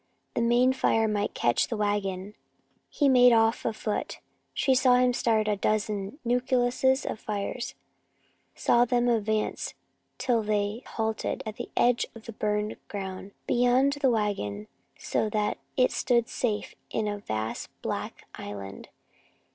"The main fire might catch the wagon." He made off afoot. She saw him start a dozen nucleuses of fires; saw them advance till they halted at the edge of the burned ground, beyond the wagon, so that it stood safe in a vast black island.